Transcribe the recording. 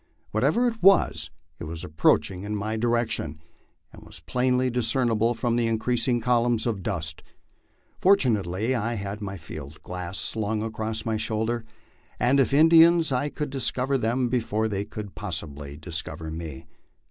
Whatever it was, it was approaching in my di rection, as was plainly discernible from the increasing columns of dust. For tunately I had my field glass slung across my shoulder, and if Indians I could discover them before they could possibly discover me.